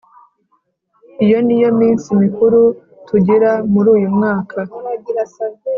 Iyo ni yo minsi mikuru tugira muri uyu mwaka